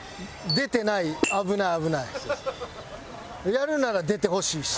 やるなら出てほしいし。